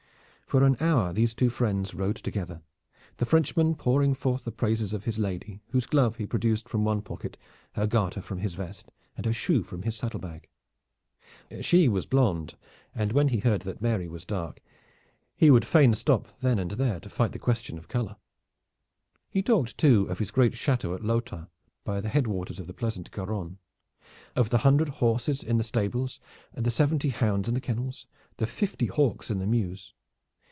For an hour these two friends rode together, the Frenchman pouring forth the praises of his lady, whose glove he produced from one pocket, her garter from his vest, and her shoe from his saddle bag. She was blond, and when he heard that Mary was dark, he would fain stop then and there to fight the question of color. He talked too of his great chateau at Lauta, by the head waters of the pleasant Garonne; of the hundred horses in the stables, the seventy hounds in the kennels, the fifty hawks in the mews.